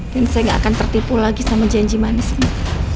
dan saya gak akan tertipu lagi sama janji manis ini